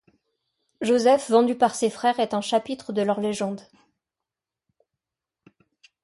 Joseph vendu par ses frères est un chapitre de leur légende.